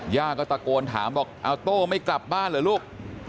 ย่าก็ตะโกนถามบอกเอาโต้ไม่กลับบ้านเหรอลูก